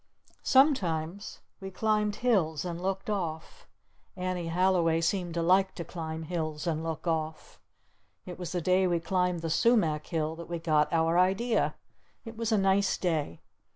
Sometimes we climbed hills and looked off. Annie Halliway seemed to like to climb hills and look off. It was the day we climbed the Sumac Hill that we got our Idea! It was a nice day!